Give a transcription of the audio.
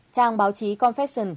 trang báo chí confession